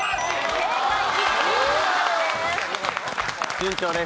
順調です。